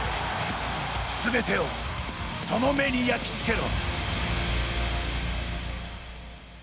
全てを、その目に焼き付けろ。